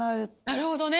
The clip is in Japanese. なるほどね。